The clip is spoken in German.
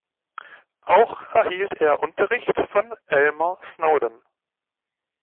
Auch erhielt er Unterricht von Elmer Snowden.